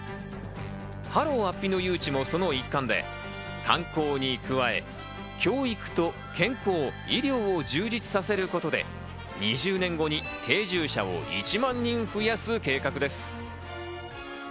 ハロウ安比の誘致もその一環で、観光に加え、教育と健康・医療を充実させることで、２０年後に定住者を１万人増やす計画です。